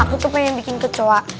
aku tuh pengen bikin kecoa